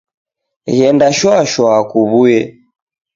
Ghenda shwa shwa kuwuye.